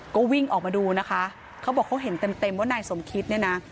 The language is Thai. ก็วิ่งออกมาดูนะคะเขาบอกเขาเห็นเต็มเต็มว่านายสมคิตเนี่ยนะ